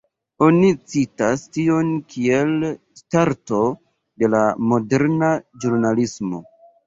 Oni citas tion kiel starto de la moderna ĵurnalismo.